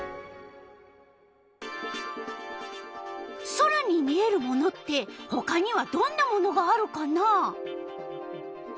空に見えるものってほかにはどんなものがあるかな？